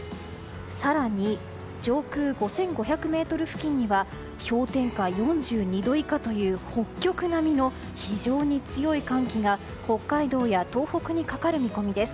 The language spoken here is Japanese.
更に上空５５００ｍ付近には氷点下４２度以下という北極並みの非常に強い寒気が北海道や東北にかかる見込みです。